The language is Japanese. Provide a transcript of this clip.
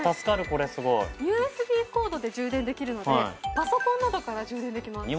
これすごいＵＳＢコードで充電できるのでパソコンなどから充電できます